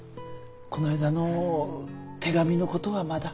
こないだの手紙のことはまだ？